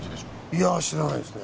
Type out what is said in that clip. いや知らないですね。